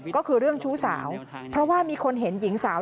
ก็คือเรื่องชู้สาวเพราะว่ามีคนเห็นหญิงสาว